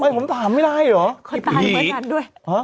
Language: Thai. ไม่ผมถามไม่ได้หรอพี่พี่ตายมากันด้วย